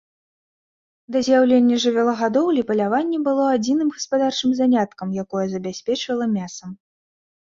Да з'яўлення жывёлагадоўлі паляванне было адзіным гаспадарчым заняткам, якое забяспечвала мясам.